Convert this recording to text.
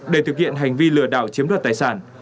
để thực hiện hành vi lừa đảo chiếm đoạt tài sản